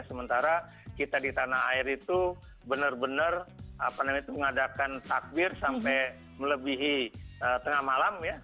sementara kita di tanah air itu benar benar mengadakan takbir sampai melebihi tengah malam ya